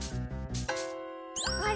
あれ？